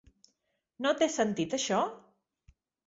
No té sentit això?